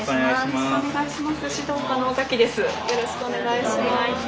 よろしくお願いします尾崎です。